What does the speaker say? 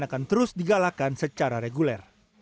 akan terus digalakan secara reguler